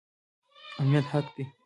امنیت حق دی